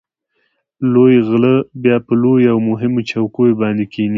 لوی غله بیا په لویو او مهمو چوکیو باندې کېني.